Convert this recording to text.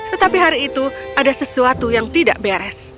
tetapi hari itu ada sesuatu yang tidak beres